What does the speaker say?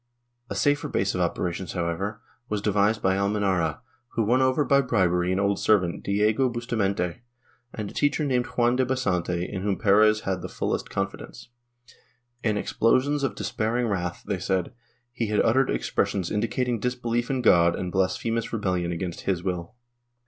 A safer base of opera tions, however, was devised by Almenara, who won over by bribery an old servant, Diego Bustamente and a teacher named Juan de Basante in whom Perez had the fullest confidence. In explosions of despairing wrath, thej^ said, he had uttered expres sions indicating disbelief in God and blasphemous rebellion against His will.